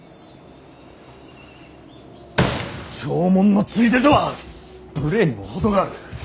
弔問のついでとは無礼にも程がある。